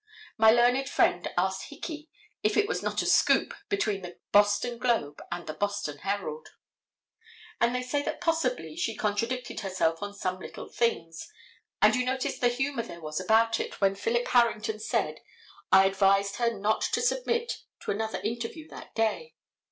My learned friend asked Hickey if it was not a "scoop" between the Boston Globe and the Boston Herald. And they say that possibly she contradicted herself on some little things, and you noticed the humor there was about it when Philip Harrington said, "I advised her not to submit to another interview that day."